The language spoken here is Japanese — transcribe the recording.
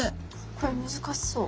これ難しそう。